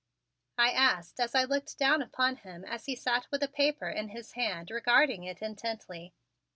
I asked as I looked down upon him as he sat with a paper in his hand regarding it intently.